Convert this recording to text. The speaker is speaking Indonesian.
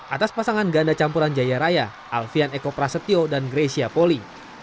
atas pasangan ganda campuran jaya raya alfian eko prasetyo dan grecia poli